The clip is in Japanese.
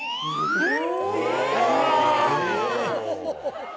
えっ！